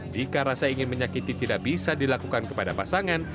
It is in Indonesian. jika rasa ingin menyakiti tidak bisa dilakukan kepada pasangan